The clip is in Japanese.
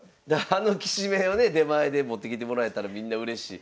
あのきしめんをね出前で持ってきてもらえたらみんなうれしい。